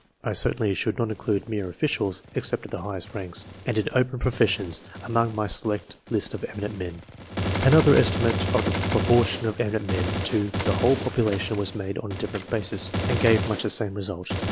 I certainly should not include mere officials, except of the highest ranks, and in open professions, among my select list of eminent men. Another estimate of the proportion of eminent men to the whole population was made on a different ba, sis, and gave much the same result.